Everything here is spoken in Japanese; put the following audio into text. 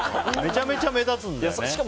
めちゃめちゃ目立つんだよね。